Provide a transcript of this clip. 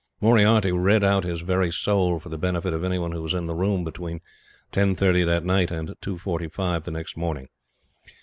Moriarty read out his very soul for the benefit of any one who was in the room between ten thirty that night and two forty five next morning.